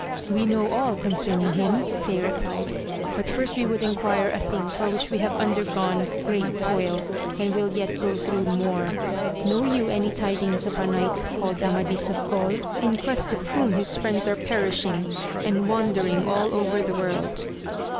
We know all concerniog him, they replied, but first we would enquire a thing for which we have under gone great toil, and will yet go thro' more. Know you any tidings of a knight called Amadis of Gaul ? AMADIS OF GAUL. 23 in quest of whom his friends are perishing, and wan dering all over the world.